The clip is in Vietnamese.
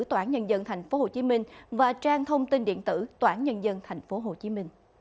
tòa án nhân dân tp hcm và trang thông tin điện tử tòa án nhân dân tp hcm